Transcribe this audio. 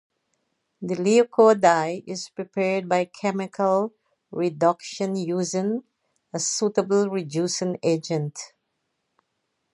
The leuco dye is prepared by chemical reduction using a suitable reducing agent.